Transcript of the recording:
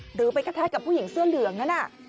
หรือไปกระแทกกับผู้หญิงเสื้อเหลืองนั้น